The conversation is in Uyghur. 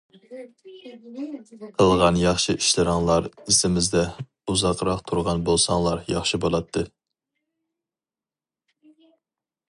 قىلغان ياخشى ئىشلىرىڭلار ئېسىمىزدە، ئۇزاقراق تۇرغان بولساڭلار ياخشى بولاتتى!